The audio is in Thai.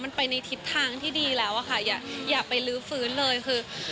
มันไปในทิศทางที่ดีแล้วอะค่ะอย่าไปลื้อฟื้นเลยคือ